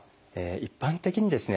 一般的にですね